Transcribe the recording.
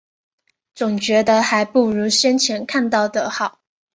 总觉得还不如先前看到的好